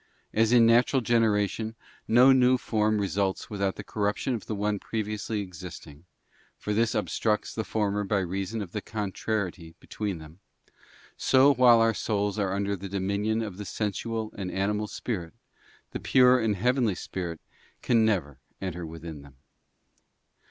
As in natural generation, no new form results without the corruption of the one previously > existing—for this obstructs the former by reason of the contrariety between them — so while our souls are under the dominion of the sensual and animal spirit, the pure and heavenly spirit can never enter within them.